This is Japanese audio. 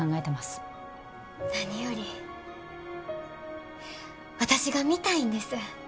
何より私が見たいんです。